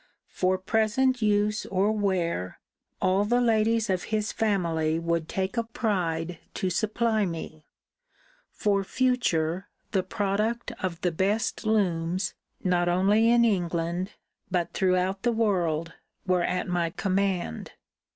For present use or wear, all the ladies of his family would take a pride to supply me: for future, the product of the best looms, not only in England, but throughout the world, were at my command.